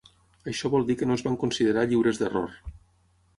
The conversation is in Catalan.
Això vol dir que no es van considerar lliures d'error.